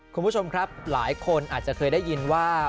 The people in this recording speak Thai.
คุณผู้ชมครับหลายคนอาจจะเคยได้ยินว่า